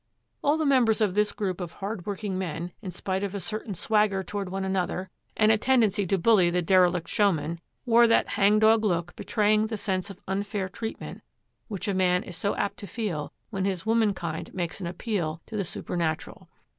All the members of this group of hardworking men, in spite of a certain swagger toward one another and a tendency to bully the derelict showman, wore that hang dog look betraying the sense of unfair treatment which a man is so apt to feel when his womankind makes an appeal to the supernatural.